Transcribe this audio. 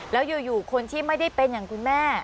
แล้วอยู่คนที่ไม่ได้เป็นอย่างคุณแม่